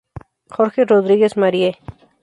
Jorge Rodríguez Marie.